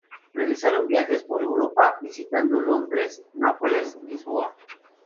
Realizaron varios viajes por Europa, visitando Londres, Nápoles, Lisboa...